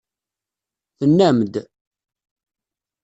Tennam-d.